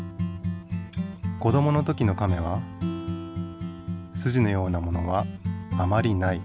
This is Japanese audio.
子どもの時のカメはすじのようなものはあまり無い。